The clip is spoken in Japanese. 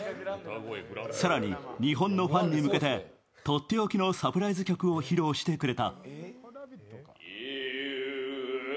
更に、日本のファンに向けてとっておきのサプライズ曲を披露してくれた。